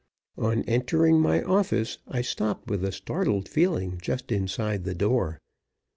On entering my office, I stopped with a startled feeling just inside the door.